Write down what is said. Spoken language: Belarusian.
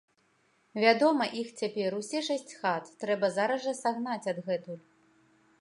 Вядома, іх цяпер, усе шэсць хат, трэба зараз жа сагнаць адгэтуль.